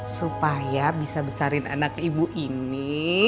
supaya bisa besarin anak ibu ini